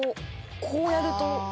こうやると。